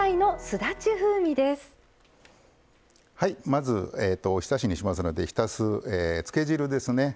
まずおひたしにしますのでひたすつけ汁ですね。